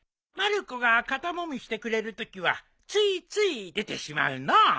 まる子が肩もみしてくれるときはついつい出てしまうのう。